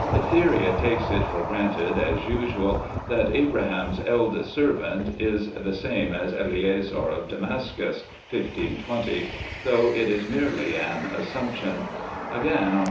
theria takes it for granted, as usual, that Abraham's "eldest servant" xxxiv INTRODUCTION is the same as Eliezer of Damascus (xv. 20), though it is merely an assumption. Again, on p.